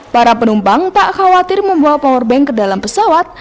para penumpang tak khawatir membawa powerbank ke dalam pesawat